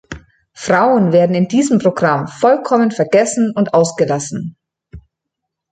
Frauen werden in diesem Programm vollkommen vergessen und ausgelassen.